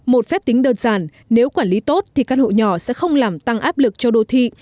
một phép tính đơn giản nếu quản lý tốt thì căn hộ nhỏ sẽ không làm tăng áp lực cho đô thị